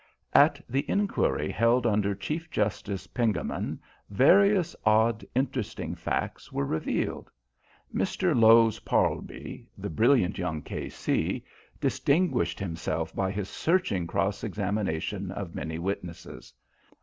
At the inquiry held under Chief Justice Pengammon various odd interesting facts were revealed. Mr. Lowes Parlby, the brilliant young K.C., distinguished himself by his searching cross examination of many witnesses.